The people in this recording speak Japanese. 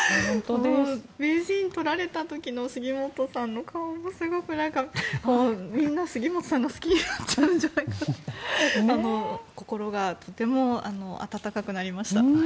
名人を取られた時の杉本さんの顔もすごくなんか、みんな杉本さんが好きになっちゃうんじゃないかと心がとても温かくなりました。